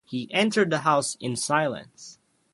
He entered the house in silence.